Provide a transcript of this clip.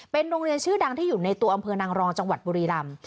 เป็นโรงเรียนชื่อดังที่อยู่ในตัวอำเภอนางรองจังหวัดบุรีรำ